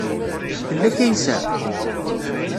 Tella Kaysa?